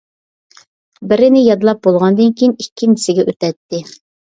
بىرىنى يادلاپ بولغاندىن كېيىن ئىككىنچىسىگە ئۆتەتتى.